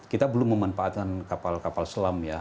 kita belum memanfaatkan kapal kapal selam ya